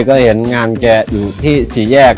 ก็เห็นงานแกอยู่ที่สี่แยก